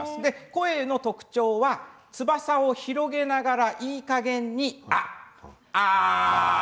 声の特徴は翼を広げながらいいかげんに「アー」。